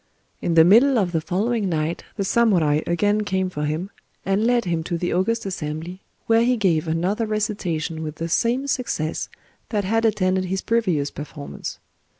In the middle of the following night the samurai again came for him, and led him to the august assembly, where he gave another recitation with the same success that had attended his previous performance.